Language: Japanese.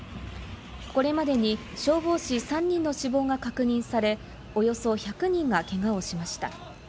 これまでに消防士３人の死亡が確認され、およそ１００人がけがをしました。